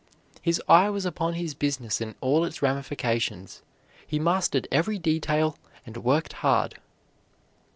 His eye was upon his business in all its ramifications; he mastered every detail and worked hard.